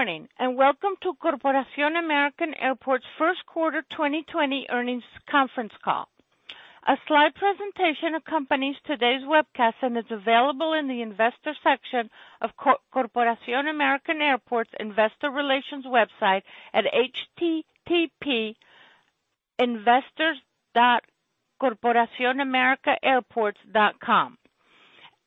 Good morning, welcome to Corporación América Airports' First Quarter 2020 Earnings Conference Call. A slide presentation accompanies today's webcast and is available in the investor section of Corporación América Airports investor relations website at http://investors.corporacionamericaairports.com.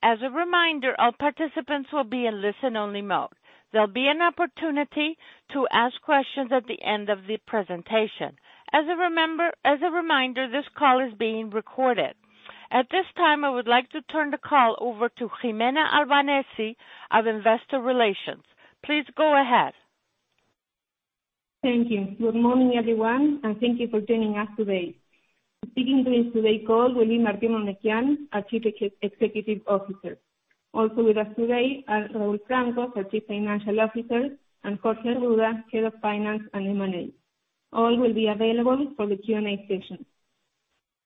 As a reminder, all participants will be in listen-only mode. There'll be an opportunity to ask questions at the end of the presentation. As a reminder, this call is being recorded. At this time, I would like to turn the call over to Gimena Albanesi of Investor Relations. Please go ahead. Thank you. Good morning, everyone, and thank you for joining us today. Speaking to this today call will be Martín Eurnekian, our Chief Executive Officer. Also with us today are Raúl Francos, our Chief Financial Officer, and Jorge Arruda, Head of Finance and M&A. All will be available for the Q&A session.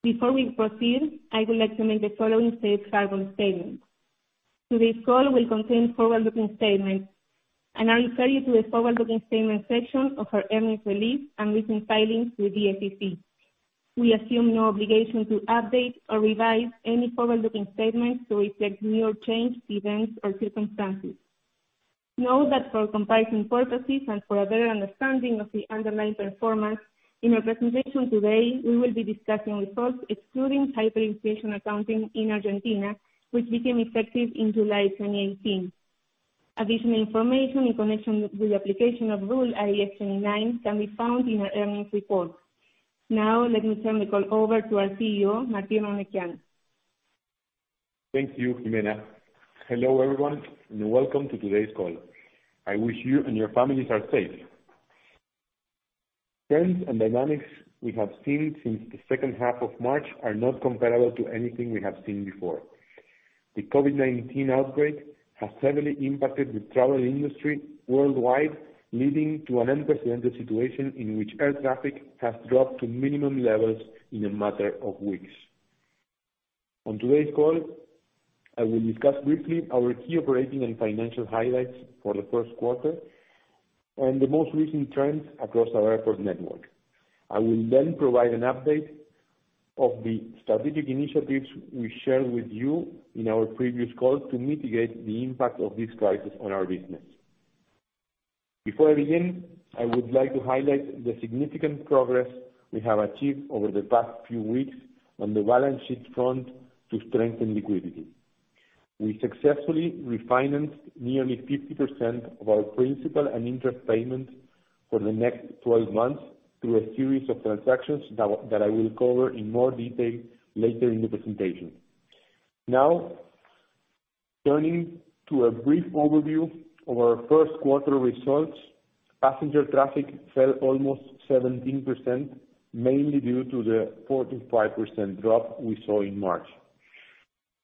Before we proceed, I would like to make the following safe harbor statement. Today's call will contain forward-looking statements, and I refer you to the forward-looking statements section of our earnings release and recent filings with the SEC. We assume no obligation to update or revise any forward-looking statements to reflect new or changed events or circumstances. Note that for comparison purposes and for a better understanding of the underlying performance, in our presentation today, we will be discussing results excluding hyperinflation accounting in Argentina, which became effective in July 2018. Additional information in connection with the application of Rule IFRS 9 can be found in our earnings report. Now, let me turn the call over to our CEO, Martín Eurnekian. Thank you, Gimena. Hello, everyone, and welcome to today's call. I wish you and your families are safe. Trends and dynamics we have seen since the second half of March are not comparable to anything we have seen before. The COVID-19 outbreak has heavily impacted the travel industry worldwide, leading to an unprecedented situation in which air traffic has dropped to minimum levels in a matter of weeks. On today's call, I will discuss briefly our key operating and financial highlights for the first quarter and the most recent trends across our airport network. I will then provide an update of the strategic initiatives we shared with you in our previous call to mitigate the impact of this crisis on our business. Before I begin, I would like to highlight the significant progress we have achieved over the past few weeks on the balance sheet front to strengthen liquidity. We successfully refinanced nearly 50% of our principal and interest payment for the next 12 months through a series of transactions that I will cover in more detail later in the presentation. Now, turning to a brief overview of our first quarter results. Passenger traffic fell almost 17%, mainly due to the 45% drop we saw in March,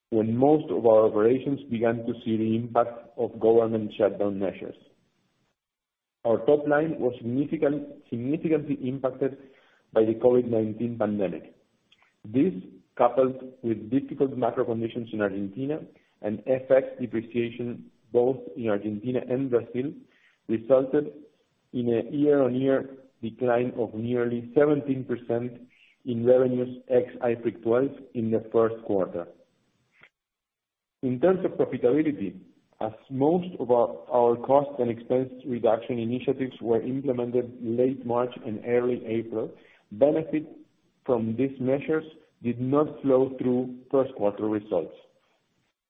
when most of our operations began to see the impact of government shutdown measures. Our top line was significantly impacted by the COVID-19 pandemic. This, coupled with difficult macro conditions in Argentina and FX depreciation, both in Argentina and Brazil, resulted in a year-on-year decline of nearly 17% in revenues ex-IFRIC 12 in the first quarter. In terms of profitability, as most of our cost and expense reduction initiatives were implemented late March and early April, benefit from these measures did not flow through first quarter results.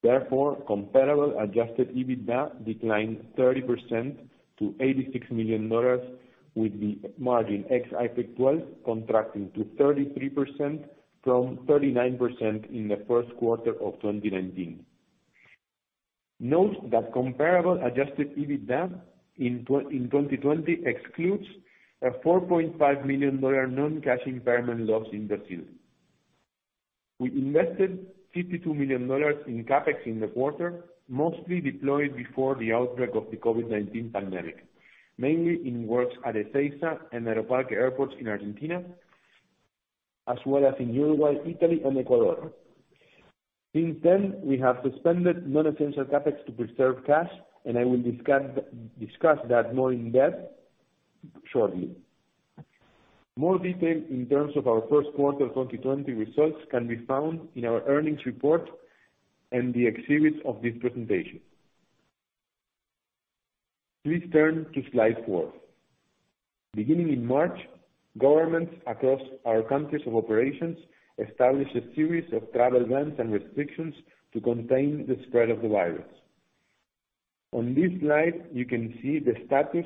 Therefore, comparable adjusted EBITDA declined 30% to $86 million with the margin ex-IFRIC 12 contracting to 33% from 39% in the first quarter of 2019. Note that comparable adjusted EBITDA in 2020 excludes a $4.5 million non-cash impairment loss in Brazil. We invested $52 million in CapEx in the quarter, mostly deployed before the outbreak of the COVID-19 pandemic, mainly in works at Ezeiza and Aeroparque airports in Argentina, as well as in Uruguay, Italy, and Ecuador. Since then, we have suspended non-essential CapEx to preserve cash, and I will discuss that more in depth shortly. More detail in terms of our first quarter 2020 results can be found in our earnings report and the exhibits of this presentation. Please turn to slide four. Beginning in March, governments across our countries of operations established a series of travel bans and restrictions to contain the spread of the virus. On this slide, you can see the status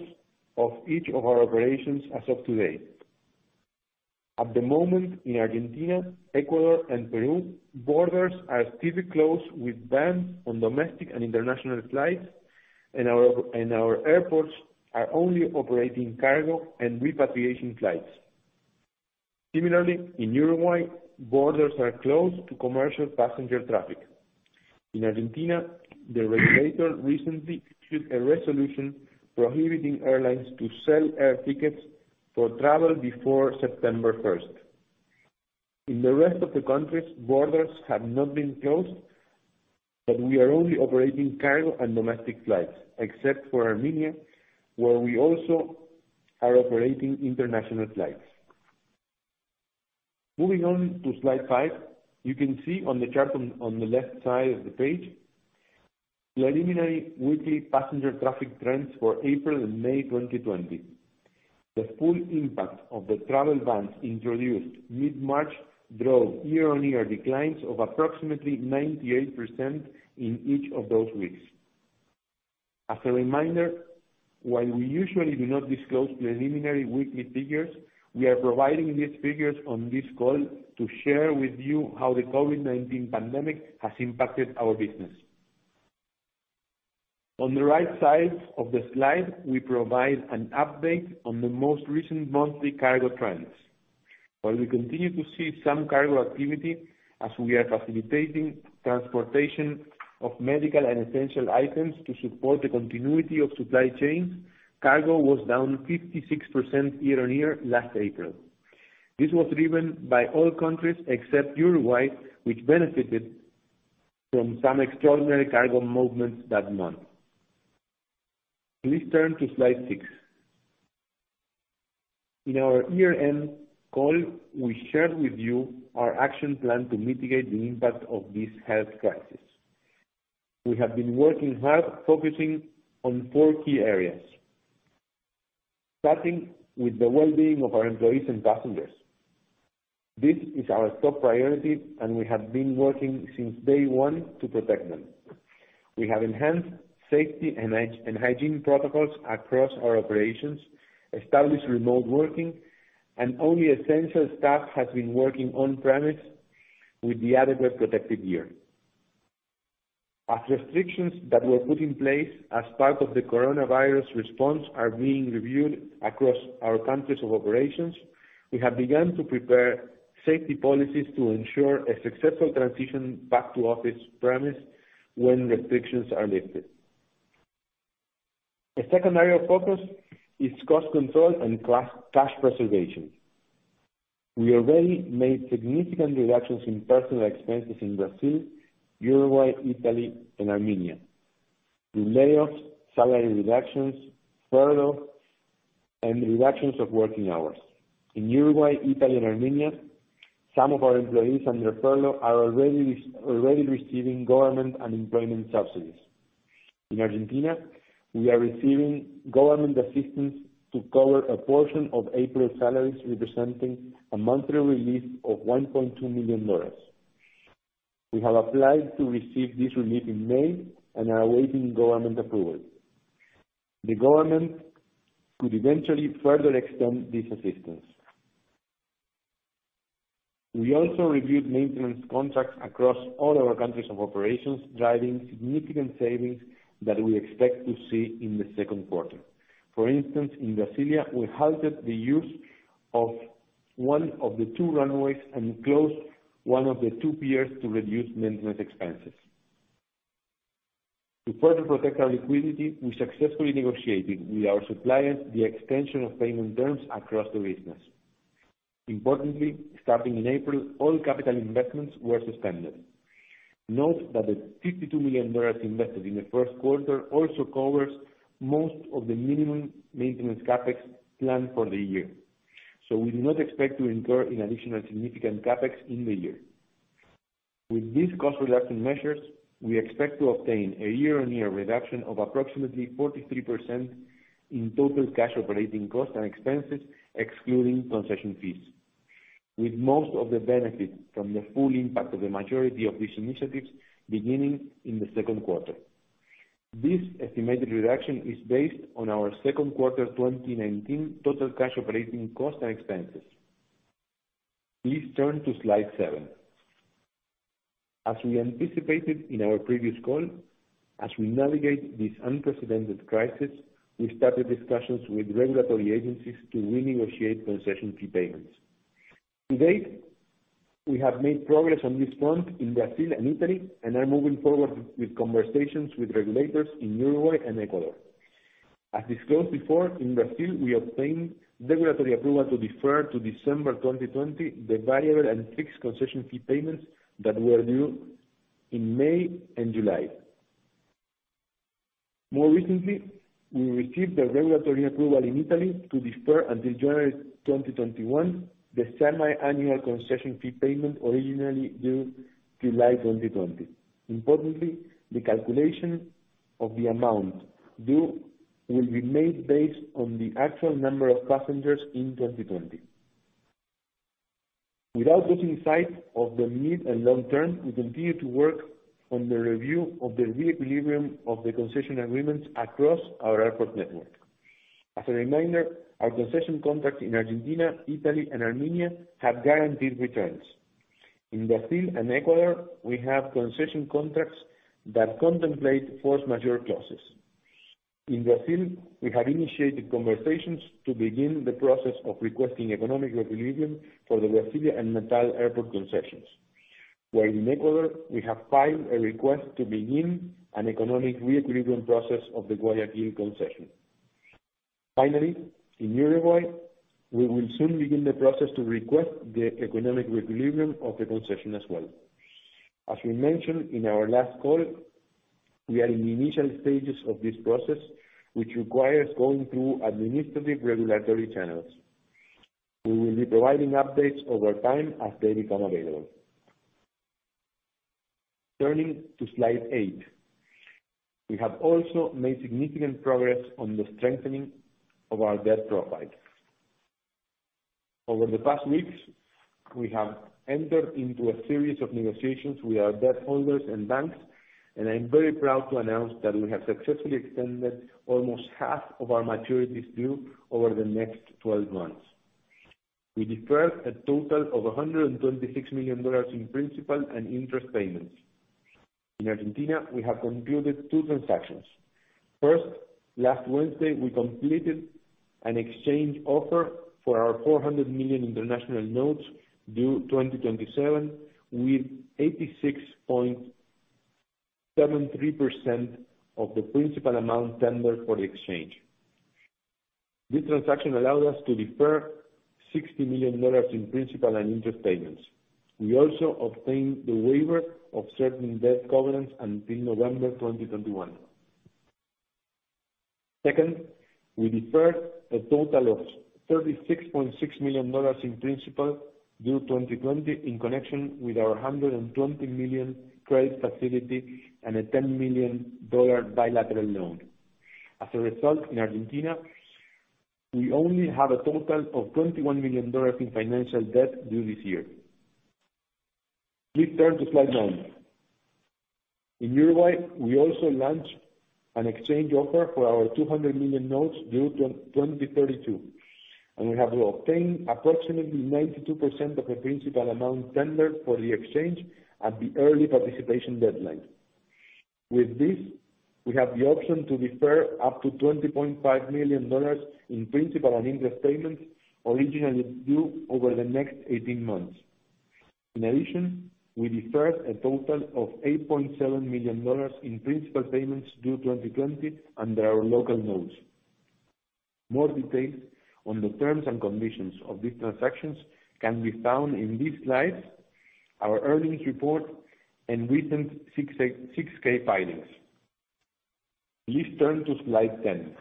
of each of our operations as of today. At the moment, in Argentina, Ecuador, and Peru, borders are still closed with bans on domestic and international flights and our airports are only operating cargo and repatriation flights. Similarly, in Uruguay, borders are closed to commercial passenger traffic. In Argentina, the regulator recently issued a resolution prohibiting airlines to sell air tickets for travel before September 1st. In the rest of the countries, borders have not been closed, but we are only operating cargo and domestic flights, except for Armenia, where we also are operating international flights. Moving on to slide five, you can see on the chart on the left side of the page, preliminary weekly passenger traffic trends for April and May 2020. The full impact of the travel bans introduced mid-March drove year-on-year declines of approximately 98% in each of those weeks. As a reminder, while we usually do not disclose preliminary weekly figures, we are providing these figures on this call to share with you how the COVID-19 pandemic has impacted our business. On the right side of the slide, we provide an update on the most recent monthly cargo trends. While we continue to see some cargo activity as we are facilitating transportation of medical and essential items to support the continuity of supply chains, cargo was down 56% year-on-year last April. This was driven by all countries except Uruguay, which benefited from some extraordinary cargo movements that month. Please turn to slide six. In our year-end call, we shared with you our action plan to mitigate the impact of this health crisis. We have been working hard, focusing on four key areas. Starting with the well-being of our employees and passengers. This is our top priority, and we have been working since day one to protect them. We have enhanced safety and hygiene protocols across our operations, established remote working, and only essential staff has been working on premise with the adequate protective gear. As restrictions that were put in place as part of the coronavirus response are being reviewed across our countries of operations, we have begun to prepare safety policies to ensure a successful transition back to office premise when restrictions are lifted. The second area of focus is cost control and cash preservation. We already made significant reductions in personal expenses in Brazil, Uruguay, Italy, and Armenia, through layoffs, salary reductions, furlough, and reductions of working hours. In Uruguay, Italy, and Armenia, some of our employees under furlough are already receiving government unemployment subsidies. In Argentina, we are receiving government assistance to cover a portion of April salaries, representing a monthly relief of $1.2 million. We have applied to receive this relief in May and are awaiting government approval. The government could eventually further extend this assistance. We also reviewed maintenance contracts across all our countries of operations, driving significant savings that we expect to see in the second quarter. For instance, in Brasilia, we halted the use of one of the two runways and closed one of the two piers to reduce maintenance expenses. To further protect our liquidity, we successfully negotiated with our suppliers the extension of payment terms across the business. Importantly, starting in April, all capital investments were suspended. Note that the $52 million invested in the first quarter also covers most of the minimum maintenance CapEx planned for the year. We do not expect to incur additional significant CapEx in the year. With these cost reduction measures, we expect to obtain a year-on-year reduction of approximately 43% in total cash operating costs and expenses, excluding concession fees, with most of the benefit from the full impact of the majority of these initiatives beginning in the second quarter. This estimated reduction is based on our second quarter 2019 total cash operating costs and expenses. Please turn to slide seven. As we anticipated in our previous call, as we navigate this unprecedented crisis, we started discussions with regulatory agencies to renegotiate concession fee payments. To date, we have made progress on this front in Brazil and Italy and are moving forward with conversations with regulators in Uruguay and Ecuador. As disclosed before, in Brazil, we obtained regulatory approval to defer to December 2020 the variable and fixed concession fee payments that were due in May and July. More recently, we received the regulatory approval in Italy to defer until January 2021, the semi-annual concession fee payment originally due July 2020. Importantly, the calculation of the amount due will be made based on the actual number of passengers in 2020. Without losing sight of the mid and long term, we continue to work on the review of the re-equilibrium of the concession agreements across our airport network. As a reminder, our concession contracts in Argentina, Italy, and Armenia have guaranteed returns. In Brazil and Ecuador, we have concession contracts that contemplate force majeure clauses. In Brazil, we have initiated conversations to begin the process of requesting economic re-equilibrium for the Brasília and Natal airport concessions, while in Ecuador, we have filed a request to begin an economic re-equilibrium process of the Guayaquil concession. In Uruguay, we will soon begin the process to request the economic equilibrium of the concession as well. As we mentioned in our last call, we are in the initial stages of this process, which requires going through administrative regulatory channels. We will be providing updates over time as they become available. Turning to slide eight. We have also made significant progress on the strengthening of our debt profile. Over the past weeks, we have entered into a series of negotiations with our debt holders and banks, I'm very proud to announce that we have successfully extended almost half of our maturities due over the next 12 months. We deferred a total of $126 million in principal and interest payments. In Argentina, we have concluded two transactions. First, last Wednesday, we completed an exchange offer for our $400 million international notes due 2027, with 86.73% of the principal amount tendered for the exchange. This transaction allowed us to defer $60 million in principal and interest payments. We also obtained the waiver of certain debt covenants until November 2021. Second, we deferred a total of $36.6 million in principal due 2020 in connection with our $120 million credit facility and a $10 million bilateral loan. As a result, in Argentina, we only have a total of $21 million in financial debt due this year. Please turn to slide nine. In Uruguay, we also launched an exchange offer for our $200 million notes due 2032. We have obtained approximately 92% of the principal amount tendered for the exchange at the early participation deadline. With this, we have the option to defer up to $20.5 million in principal and interest payments originally due over the next 18 months. In addition, we deferred a total of $8.7 million in principal payments due 2020 under our local notes. More details on the terms and conditions of these transactions can be found in these slides, our earnings report and recent 6-K filings. Please turn to slide 10.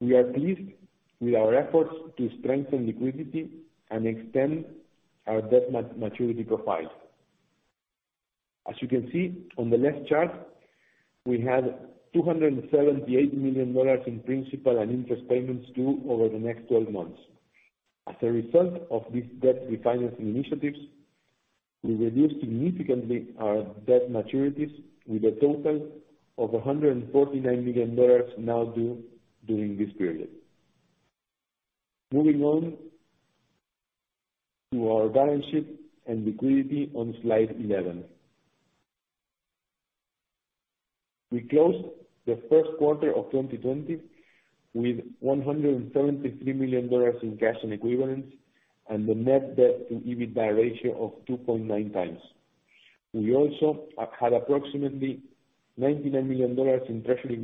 We are pleased with our efforts to strengthen liquidity and extend our debt maturity profile. As you can see on the left chart, we had $278 million in principal and interest payments due over the next 12 months. As a result of these debt refinancing initiatives, we reduced significantly our debt maturities with a total of $149 million now due during this period. Moving on to our balance sheet and liquidity on slide 11. We closed the first quarter of 2020 with $173 million in cash and equivalents and the net debt to EBITDA ratio of 2.9x. We also had approximately $99 million in treasury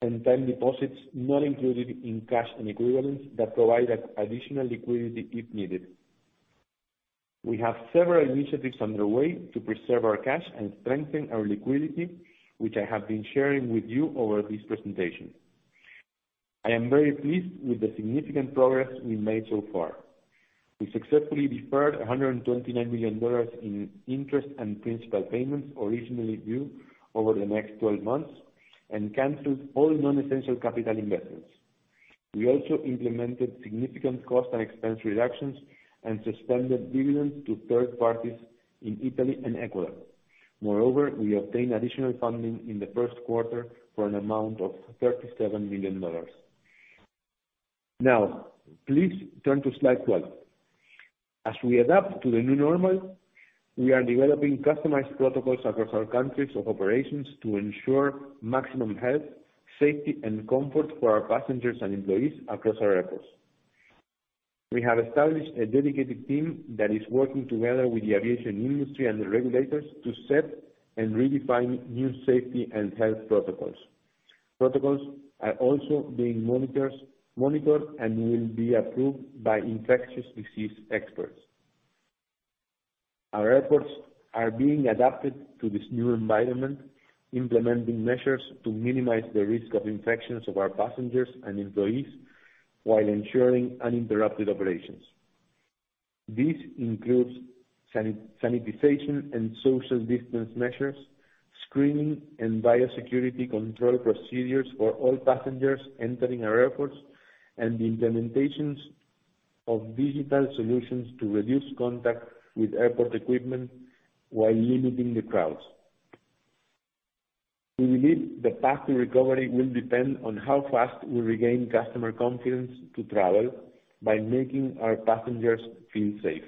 bills and time deposits not included in cash and equivalents that provide additional liquidity if needed. We have several initiatives underway to preserve our cash and strengthen our liquidity, which I have been sharing with you over this presentation. I am very pleased with the significant progress we made so far. We successfully deferred $129 million in interest and principal payments originally due over the next 12 months and canceled all non-essential capital investments. We also implemented significant cost and expense reductions and suspended dividends to third parties in Italy and Ecuador. Moreover, we obtained additional funding in the first quarter for an amount of $37 million. Now, please turn to slide 12. As we adapt to the new normal, we are developing customized protocols across our countries of operations to ensure maximum health, safety, and comfort for our passengers and employees across our airports. We have established a dedicated team that is working together with the aviation industry and the regulators to set and redefine new safety and health protocols. Protocols are also being monitored and will be approved by infectious disease experts. Our airports are being adapted to this new environment, implementing measures to minimize the risk of infections of our passengers and employees while ensuring uninterrupted operations. This includes sanitization and social distance measures, screening and biosecurity control procedures for all passengers entering our airports, and the implementations of digital solutions to reduce contact with airport equipment while limiting the crowds. We believe the path to recovery will depend on how fast we regain customer confidence to travel by making our passengers feel safe.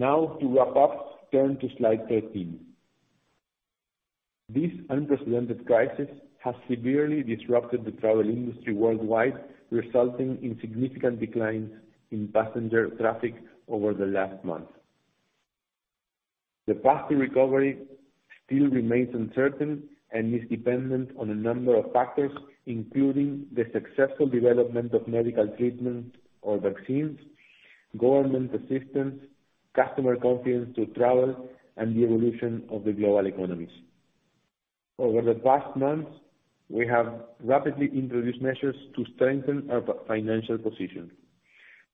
To wrap up, turn to slide 13. This unprecedented crisis has severely disrupted the travel industry worldwide, resulting in significant declines in passenger traffic over the last month. The path to recovery still remains uncertain and is dependent on a number of factors, including the successful development of medical treatment or vaccines, government assistance, customer confidence to travel, and the evolution of the global economies. Over the past months, we have rapidly introduced measures to strengthen our financial position.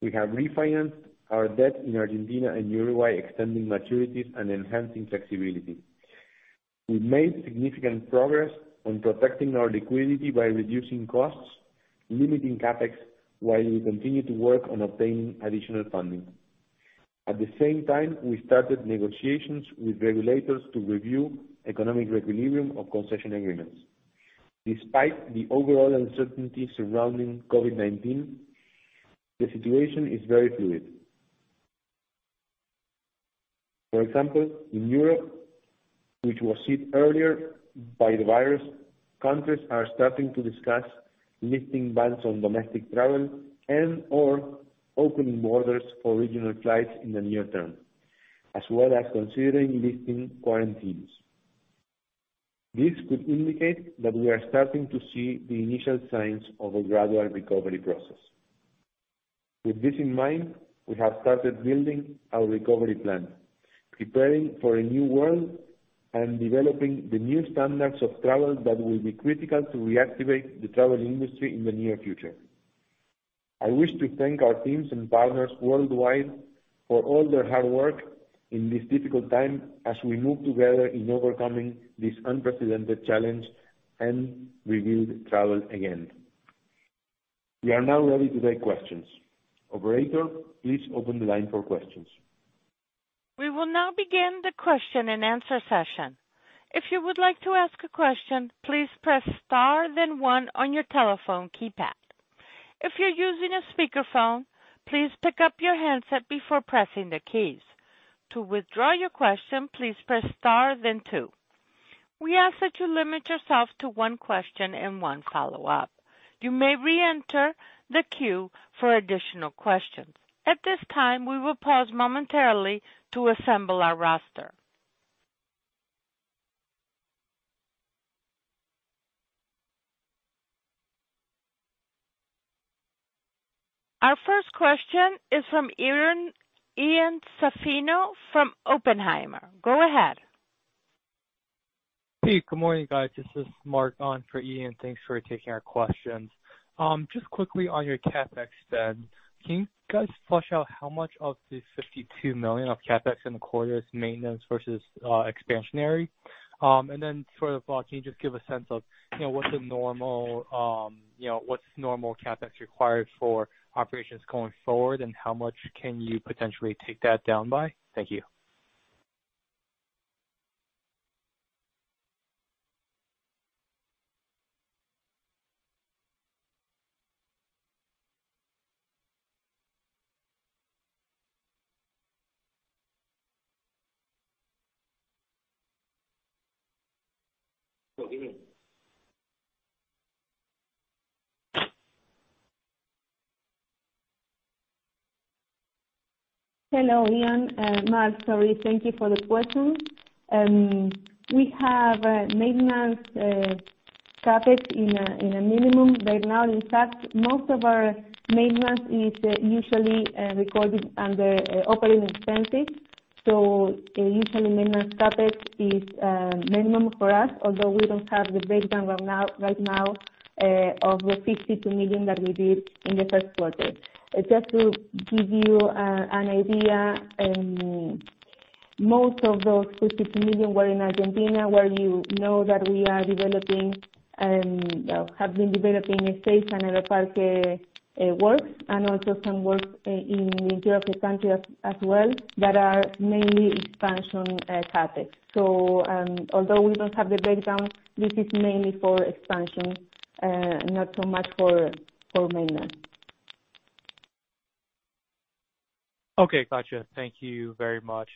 We have refinanced our debt in Argentina and Uruguay, extending maturities and enhancing flexibility. We made significant progress on protecting our liquidity by reducing costs, limiting CapEx, while we continue to work on obtaining additional funding. At the same time, we started negotiations with regulators to review economic reequilibrium of concession agreements. Despite the overall uncertainty surrounding COVID-19, the situation is very fluid. For example, in Europe, which was hit earlier by the virus, countries are starting to discuss lifting bans on domestic travel and/or opening borders for regional flights in the near term, as well as considering lifting quarantines. This could indicate that we are starting to see the initial signs of a gradual recovery process. With this in mind, we have started building our recovery plan, preparing for a new world, and developing the new standards of travel that will be critical to reactivate the travel industry in the near future. I wish to thank our teams and partners worldwide for all their hard work in this difficult time as we move together in overcoming this unprecedented challenge and rebuild travel again. We are now ready to take questions. Operator, please open the line for questions. We will now begin the question and answer session. If you would like to ask a question, please press star then one on your telephone keypad. If you're using a speakerphone, please pick up your handset before pressing the keys. To withdraw your question, please press star then two. We ask that you limit yourself to one question and one follow-up. You may reenter the queue for additional questions. At this time, we will pause momentarily to assemble our roster. Our first question is from Ian Zaffino from Oppenheimer. Go ahead. Hey, good morning, guys. This is Mark on for Ian. Thanks for taking our questions. Just quickly on your CapEx spend, can you guys flush out how much of the $52 million of CapEx in the quarter is maintenance versus expansionary? Then further thought, can you just give a sense of what's normal CapEx required for operations going forward, and how much can you potentially take that down by? Thank you Well, Gimena. Hello, Ian. Mark, sorry. Thank you for the question. We have maintenance CapEx in a minimum right now. In fact, most of our maintenance is usually recorded under operating expenses. Usually, maintenance CapEx is minimum for us, although we don't have the breakdown right now of the $52 million that we did in the first quarter. Just to give you an idea, most of those $52 million were in Argentina, where you know that we are developing, have been developing Ezeiza and Aeroparque works, and also some works in the interior of the country as well, that are mainly expansion CapEx. Although we don't have the breakdown, this is mainly for expansion, not so much for maintenance. Okay, got you. Thank you very much.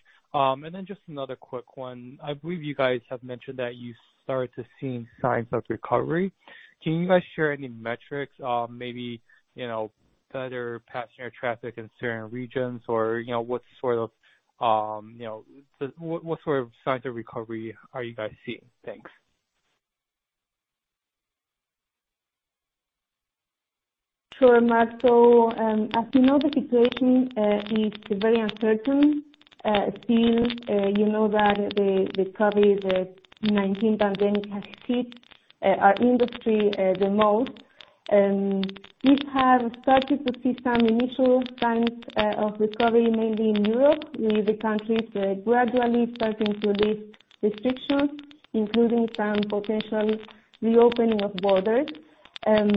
Just another quick one. I believe you guys have mentioned that you started to see signs of recovery. Can you guys share any metrics, maybe better passenger traffic in certain regions, or what sort of signs of recovery are you guys seeing? Thanks. Sure, Mark. As you know, the situation is very uncertain still. You know that the COVID-19 pandemic has hit our industry the most. We have started to see some initial signs of recovery, mainly in Europe, with the countries gradually starting to lift restrictions, including some potential reopening of borders. This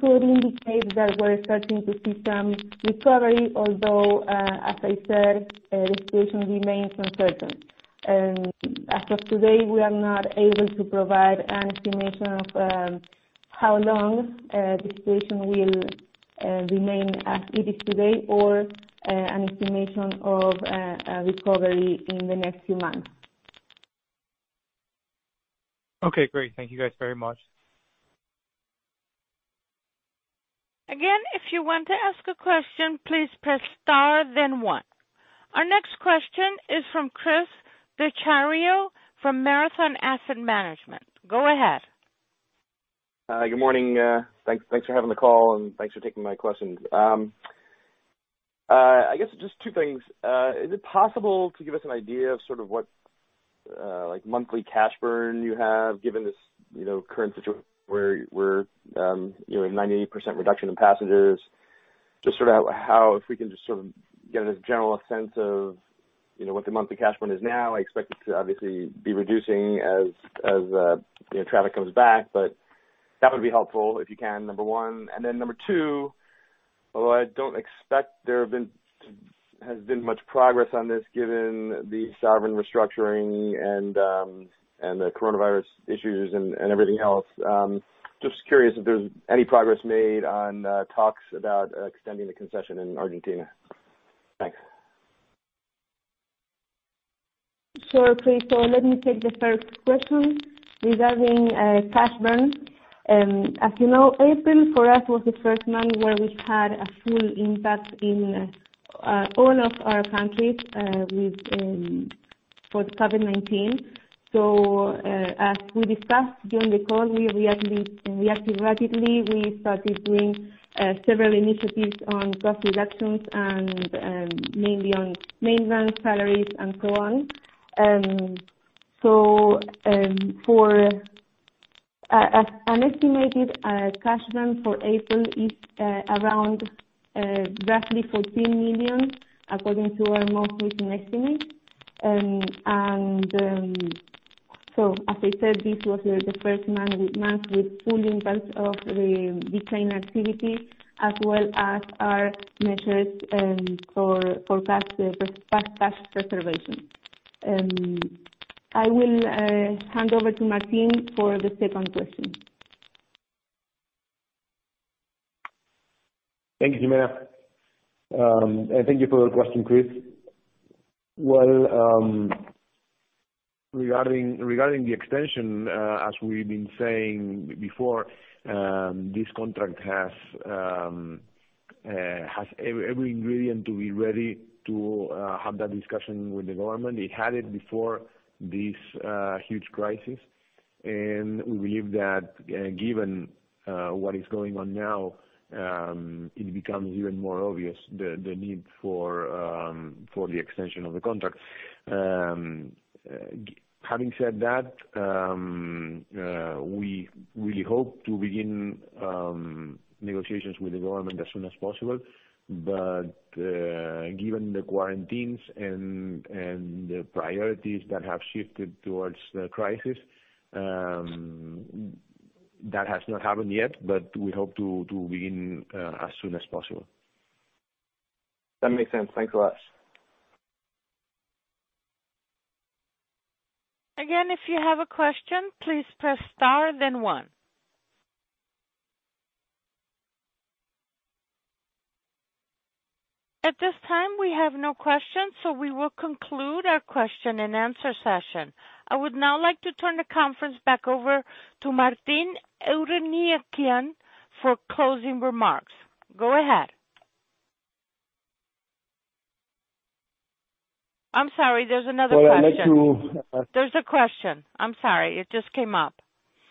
could indicate that we're starting to see some recovery, although, as I said, the situation remains uncertain. As of today, we are not able to provide an estimation of how long the situation will remain as it is today or an estimation of a recovery in the next few months. Okay, great. Thank you guys very much. Again, if you want to ask a question, please press star then one. Our next question is from Chris Dechiario from Marathon Asset Management. Go ahead. Good morning. Thanks for having the call, thanks for taking my questions. I guess just two things. Is it possible to give us an idea of what monthly cash burn you have given this current situation where 90% reduction in passengers? If we can just get a general sense of what the monthly cash burn is now, I expect it to obviously be reducing as traffic comes back, that would be helpful if you can, number one. Number two, although I don't expect there has been much progress on this given the sovereign restructuring and the coronavirus issues and everything else, just curious if there's any progress made on talks about extending the concession in Argentina. Thanks. Sure, Chris. Let me take the first question regarding cash burn. As you know, April for us was the first month where we had a full impact in all of our countries for the COVID-19. As we discussed during the call, we reacted rapidly. We started doing several initiatives on cost reductions and mainly on maintenance, salaries, and so on. An estimated cash burn for April is around roughly $14 million according to our most recent estimate. As I said, this was the first month with full impact of the decline activity as well as our measures for cash preservation. I will hand over to Martín for the second question. Thank you, Gimena. Thank you for your question, Chris. Well, regarding the extension, as we've been saying before, this contract has every ingredient to be ready to have that discussion with the government. It had it before this huge crisis. We believe that given what is going on now, it becomes even more obvious the need for the extension of the contract. Having said that, we really hope to begin negotiations with the government as soon as possible. Given the quarantines and the priorities that have shifted towards the crisis, that has not happened yet, but we hope to begin as soon as possible. That makes sense. Thanks a lot. Again, if you have a question, please press star then one. At this time, we have no questions, so we will conclude our question and answer session. I would now like to turn the conference back over to Martín Eurnekian for closing remarks. Go ahead. I'm sorry. There's another question. Well, I'd like to- There's a question. I'm sorry. It just came up.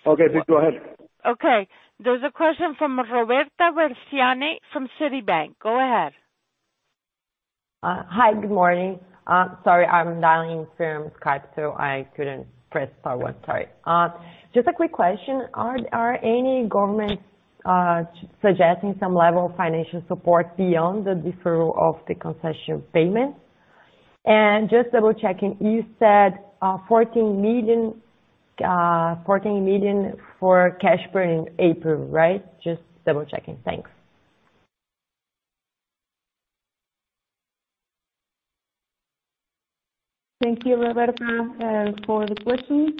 Okay. Please go ahead. Okay. There's a question from Roberta Versiani from Citibank. Go ahead. Hi. Good morning. Sorry, I am dialing from Skype, so I couldn't press star one. Sorry. Just a quick question. Are any governments suggesting some level of financial support beyond the deferral of the concession payments? Just double-checking, you said $14 million for cash burn in April, right? Just double-checking. Thanks. Thank you, Roberta, for the question.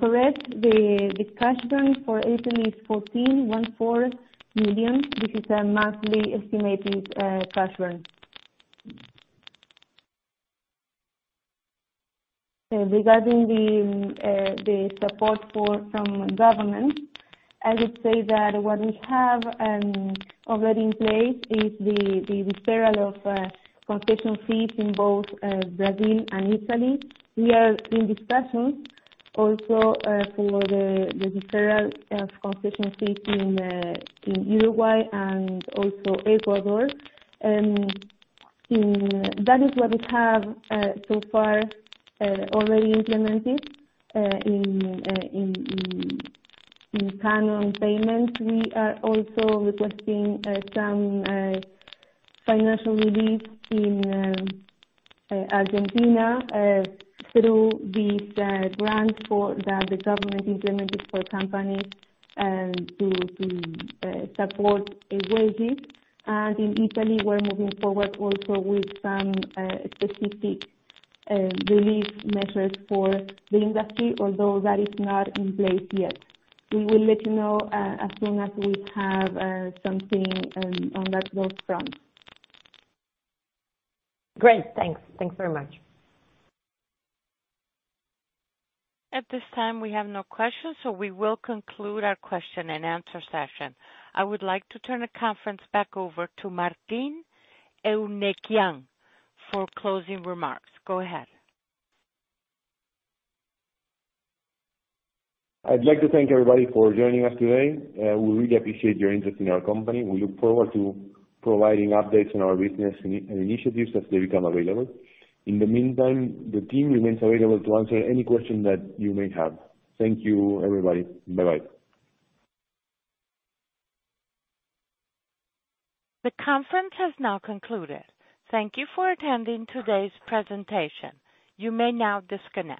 Correct, the cash burn for April is $14 million. This is a monthly estimated cash burn. Regarding the support from government, I would say that what we have already in place is the deferral of concession fees in both Brazil and Italy. We are in discussions also for the deferral of concession fees in Uruguay and also Ecuador. That is what we have so far already implemented in canon payments. We are also requesting some financial relief in Argentina through these grants that the government implemented for companies to support wages. In Italy, we're moving forward also with some specific relief measures for the industry, although that is not in place yet. We will let you know as soon as we have something on that front. Great. Thanks. Thanks very much. At this time, we have no questions, so we will conclude our question and answer session. I would like to turn the conference back over to Martín Eurnekian for closing remarks. Go ahead. I'd like to thank everybody for joining us today. We really appreciate your interest in our company. We look forward to providing updates on our business initiatives as they become available. In the meantime, the team remains available to answer any question that you may have. Thank you, everybody. Bye-bye. The conference has now concluded. Thank you for attending today's presentation. You may now disconnect.